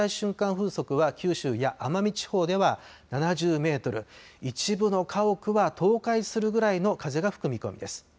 風速は九州や奄美地方では７０メートル、一部の家屋は倒壊するぐらいの風が吹く見込みです。